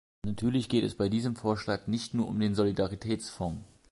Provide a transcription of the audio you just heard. Natürlich geht es bei diesem Vorschlag nicht nur um den Solidaritätsfonds.